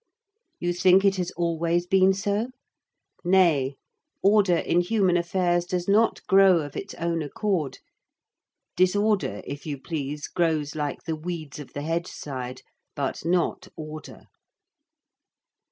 You think it has always been so? Nay: order in human affairs does not grow of its own accord. Disorder, if you please, grows like the weeds of the hedge side but not order.